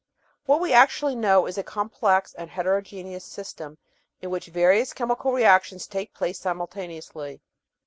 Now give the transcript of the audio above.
What we actually know is a complex and hetero geneous system in which various chemical reactions take place simultaneously.